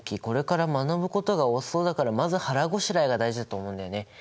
これから学ぶことが多そうだからまず腹ごしらえが大事だと思うんだよね。